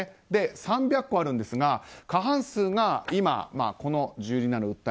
３００戸あるんですが過半数が今、住人たちの訴え